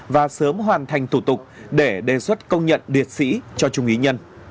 và sớm hoàn thành tủ tục để đề xuất công nhận điệt sĩ cho trung úy nhân